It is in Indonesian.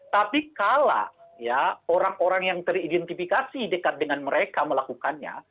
tapi kalau orang orang yang teridentifikasi dekat dengan mereka melakukannya